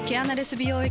美容液